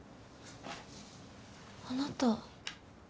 あなた